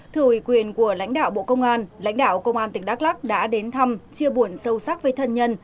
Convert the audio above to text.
thừa ủy quyền của lãnh đạo bộ công an lãnh đạo công an tỉnh đắk lắc đã đến thăm chia buồn sâu sắc với thân nhân